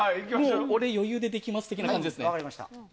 俺余裕でできます的な感じですね。